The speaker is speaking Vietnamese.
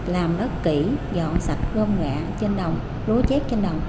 làm đất kỹ dọn sạch gom gạ trên đồng lúa chết trên đồng